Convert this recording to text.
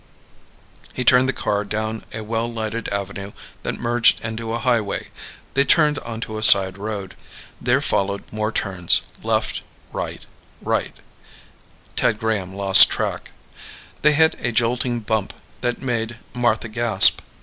He turned the car down a well lighted avenue that merged into a highway. They turned onto a side road. There followed more turns left, right, right. Ted Graham lost track. They hit a jolting bump that made Martha gasp.